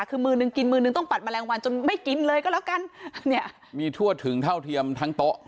คือมือนึงกินมือนึงต้องปัดแมลงวันจนไม่กินเลยก็แล้วกันเนี่ยมีทั่วถึงเท่าเทียมทั้งโต๊ะ